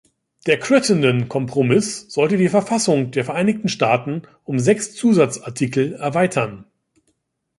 Der Crittenden-Kompromiss sollte die Verfassung der Vereinigten Staaten um sechs Zusatzartikel erweitern.